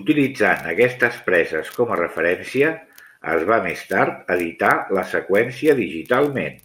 Utilitzant aquestes preses com a referència, es va més tard editar la seqüència digitalment.